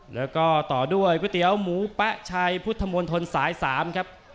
แล้วก็ต่อด้วยก๋วยเตี๋ยวหมูแป๊ะชัยพุทธมนตรสาย๓ครับ